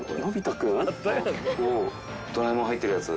ドラえもん入ってるやつ。